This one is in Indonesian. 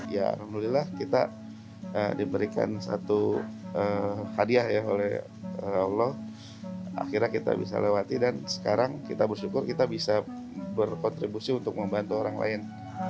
ya alhamdulillah kita diberikan satu hadiah ya oleh allah akhirnya kita bisa lewati dan sekarang kita bersyukur kita bisa berkontribusi untuk membantu orang lain